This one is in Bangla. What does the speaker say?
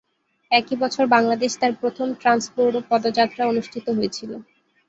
একই বছর বাংলাদেশ তার প্রথম ট্রান্স গৌরব পদযাত্রা অনুষ্ঠিত হয়েছিল।